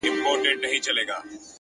علم د انسان د هویت رڼا ده’